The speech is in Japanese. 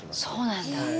そうなんだ。